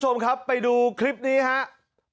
คุณผู้ชมครับไปดูคลิปนี้ครับ